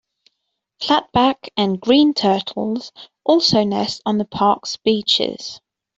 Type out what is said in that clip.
Flatback and green turtles also nest on the park's beaches.